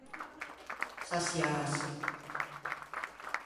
Saçiâse.